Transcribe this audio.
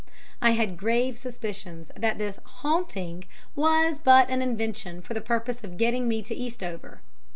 I had grave suspicions that this "haunting" was but an invention for the purpose of getting me to Eastover.